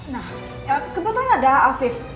nah kebetulan ada afif